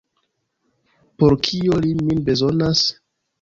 Por kio li min bezonas?